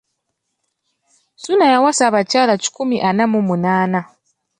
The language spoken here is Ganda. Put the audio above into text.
Ssuuna yawasa abakyala kikumi ana mu munaana.